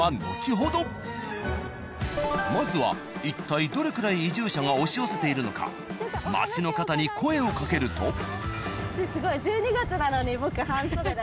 まずは一体どれくらい移住者が押し寄せているのか街の方に声をかけると。